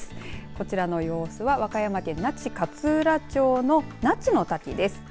こちらの様子は和歌山県那智勝浦町の那智の滝です。